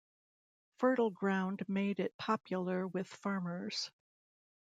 Fertile ground made it popular with farmers.